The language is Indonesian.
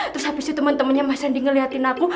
terus abis itu temen temennya mas randy ngeliatin aku